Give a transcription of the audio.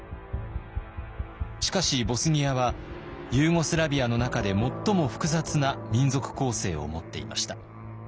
しかしボスニアはユーゴスラビアの中で最も複雑な民族構成を持っていました。